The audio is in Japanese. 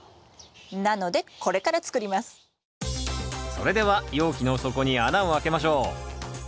それでは容器の底に穴をあけましょう。